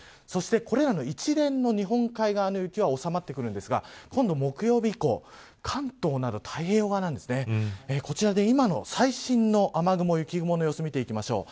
そして、これら一連の日本海側の雪はおさまってきますが今度、木曜日以降関東など太平洋側でこちらで今の最新の雨雲、雪雲の様子を見ていきます。